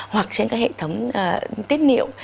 hoặc trên các hệ thống tiết niệu